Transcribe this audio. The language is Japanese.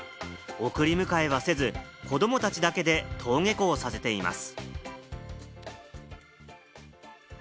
送り迎えはせず、子供たちだけで登下校をさせています。